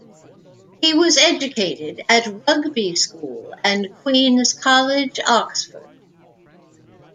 He was educated at Rugby School and Queen's College, Oxford.